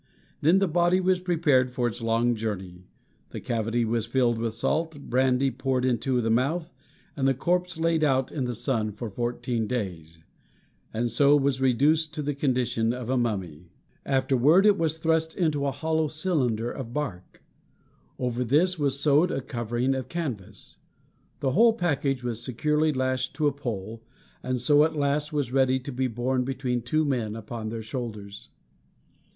Then the body was prepared for its long journey; the cavity was filled with salt, brandy poured into the mouth, and the corpse laid out in the sun for fourteen days, and so was reduced to the condition of a mummy, Afterward it was thrust into a hollow cylinder of bark. Over this was sewed a covering of canvas. The whole package was securely lashed to a pole, and so at last was ready to be borne between two men upon their shoulders.